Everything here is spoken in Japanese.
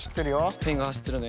ペンが走ってるね。